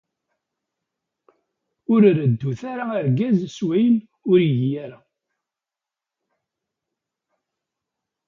Ur reddut ara argaz s wayen ur igi ara.